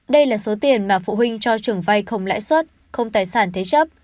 đây là số tiền mà phụ huynh cho trường vay không lãi xuất không tài sản thế chấp